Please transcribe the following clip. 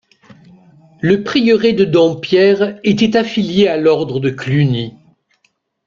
Le prieuré de Dompierre était affilié à l'ordre de Cluny.